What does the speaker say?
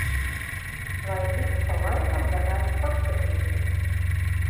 Lai ik pa laikam varētu paskatīties.